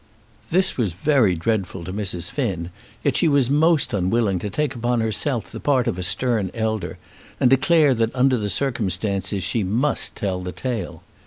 This was very dreadful to Mrs. Finn, and yet she was most unwilling to take upon herself the part of a stern elder, and declare that under the circumstances she must tell the tale.